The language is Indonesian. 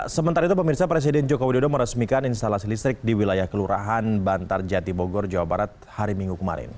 sementara itu pemirsa presiden joko widodo meresmikan instalasi listrik di wilayah kelurahan bantar jati bogor jawa barat hari minggu kemarin